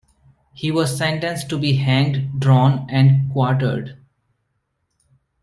He was sentenced to be hanged, drawn, and quartered.